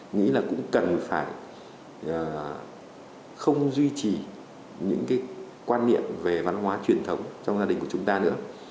nghĩ là cũng cần phải không duy trì những cái quan niệm về văn hóa truyền thống trong gia đình của chúng ta nữa